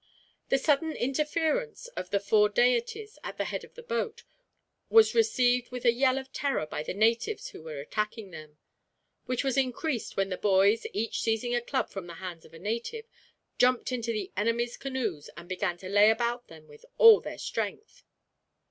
The sudden interference of the four deities, at the head of the boat, was received with a yell of terror by the natives who were attacking them; which was increased when the boys, each seizing a club from the hands of a native, jumped into the enemy's canoes, and began to lay about them with all their strength.